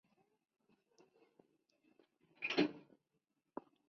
Algunos de estos pixels no se utilizan en la fotografía.